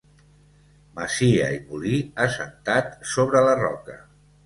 Masia i molí assentat sobre la roca.